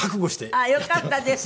ああよかったです！